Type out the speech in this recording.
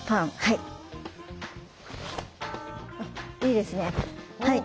いいですねはい。